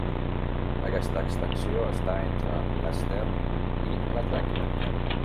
Aquesta extensió està entre l'estern i la tràquea.